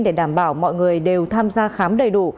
để đảm bảo mọi người đều tham gia khám đầy đủ